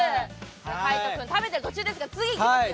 海音君、食べている途中ですが次に行きますよ。